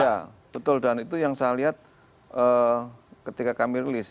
ya betul dan itu yang saya lihat ketika kami rilis